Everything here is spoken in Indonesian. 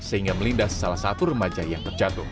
sehingga melindas salah satu remaja yang terjatuh